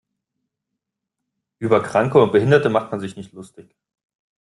Über Kranke und Behinderte macht man sich nicht lustig.